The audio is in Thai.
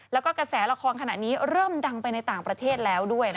แล้วก็กระแสละครขณะนี้เริ่มดังไปในต่างประเทศแล้วด้วย